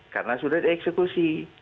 karena sudah dieksekusi